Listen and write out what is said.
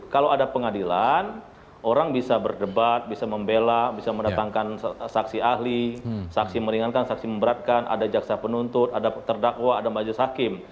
kalau ada pengadilan orang bisa berdebat bisa membela bisa mendatangkan saksi ahli saksi meringankan saksi memberatkan ada jaksa penuntut ada terdakwa ada majelis hakim